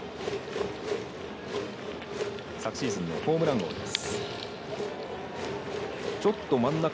昨シーズンのホームラン王です。